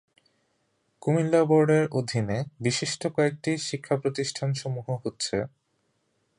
কুমিল্লা বোর্ডের অধীনে বিশিষ্ট কয়েকটি শিক্ষা প্রতিষ্ঠান সমূহ হচ্ছেঃ